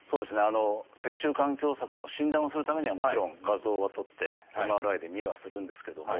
脊柱管狭窄の診断をするためにはもちろん画像は撮ってＭＲＩで見はするんですけども。